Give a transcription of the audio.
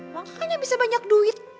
makanya bisa banyak duit